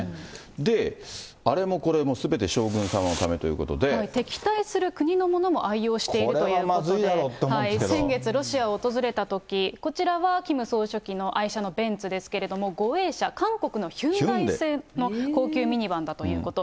で、あれもこれもすべて将軍様の敵対する国のものも愛用してこれはまずいだろうと思うん先月、ロシアを訪れたとき、こちらはキム総書記の愛車のベンツですけれども、護衛車、韓国のヒュンダイ製の高級ミニバンだということ。